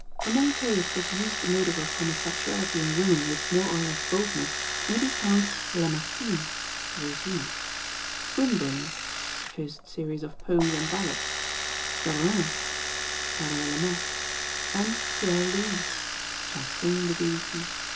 Among poets who have used the motive of homosexuality in women with more or less boldness may be found Lamartine (Regina), Swinburne (first series of Poems and Ballads), Verlaine (Parallèlement), and Pierre Louys (Chansons de Bilitis).